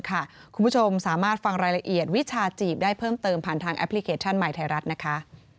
คุณผู้ชมสามารถฟังรายละเอียดวิชาจีบได้เพิ่มเติมผ่านทางแอปพลิเคชันใหม่ไทยรัฐนะคะ